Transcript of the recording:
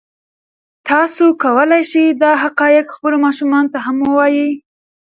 تاسو کولی شئ دا حقایق خپلو ماشومانو ته هم ووایئ.